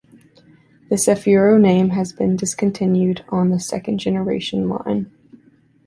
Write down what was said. The Cefiro name has been discontinued on the second-generation line.